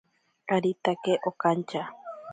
Aritake okantya.